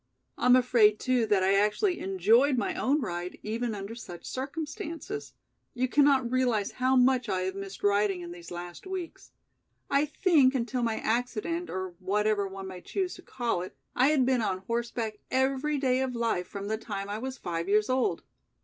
I'm afraid too that I actually enjoyed my own ride even under such circumstances. You cannot realize how much I have missed riding in these last weeks. I think until my accident, or whatever one may choose to call it, I had been on horseback every day of life from the time I was five years old.